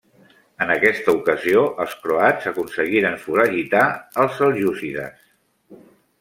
En aquesta ocasió els croats aconseguiren foragitar els seljúcides.